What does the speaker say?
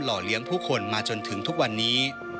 เลี้ยงผู้คนมาจนถึงทุกวันนี้